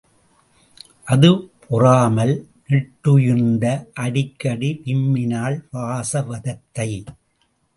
அது பொறாமல் நெட்டுயிர்ந்து அடிக்கடி விம்மினாள் வாசவதத்தை.